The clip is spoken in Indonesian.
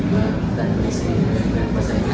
dan bahasa inggris itu ya